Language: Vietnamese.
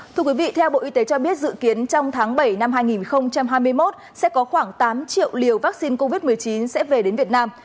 thưa quý vị theo bộ y tế cho biết dự kiến trong tháng bảy năm hai nghìn hai mươi một sẽ có khoảng tám triệu liều vaccine covid một mươi chín sẽ về đến việt nam